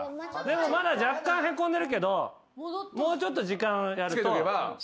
でもまだ若干へこんでるけどもうちょっと時間やると。